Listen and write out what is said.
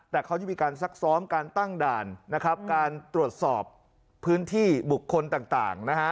แต่เขาจะมีการซักซ้อมการตั้งด่านนะครับการตรวจสอบพื้นที่บุคคลต่างนะฮะ